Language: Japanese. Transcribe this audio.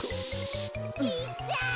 ・いったい！